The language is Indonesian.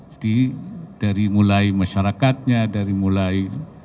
jadi dari mulai masyarakatnya dari mulai